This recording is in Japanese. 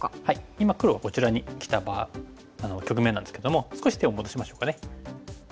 今黒がこちらにきた局面なんですけども少し手を戻しましょうかね。